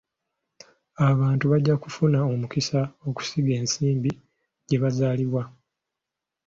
Abantu bajja kufuna omukisa okusiga ensimbi gye bazaalibwa.